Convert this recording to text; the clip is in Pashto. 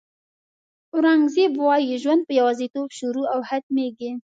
اورنګزېب وایي ژوند په یوازېتوب شروع او ختمېږي.